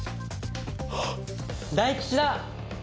大吉だ！